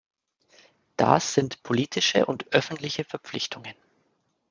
Das sind politische und öffentliche Verpflichtungen.